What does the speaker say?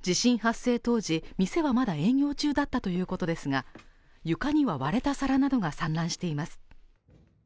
地震発生当時、店はまだ営業中だったということですが、床には割れた皿などが散乱しています。